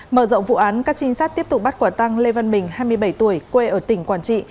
mở rộng vụ án các trinh sát tiếp tục bắt quả tăng lê văn bình hai mươi bảy tuổi quê ở tỉnh quảng trị